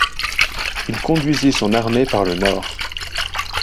Il conduisit son armée par le nord.